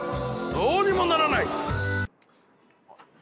どうにもならない。